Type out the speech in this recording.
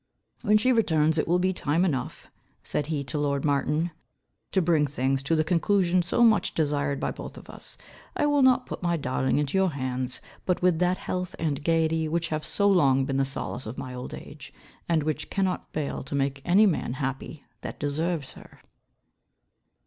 "When she returns, it will be time enough," said he to lord Martin, "to bring things to the conclusion, so much desired by both of us. I will not put my darling into your hands, but with that health and gaiety, which have so long been the solace of my old age, and which cannot fail to make any man happy that deserves her."